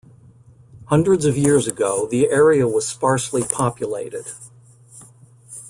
Hundreds of years ago, the area was sparsely populated.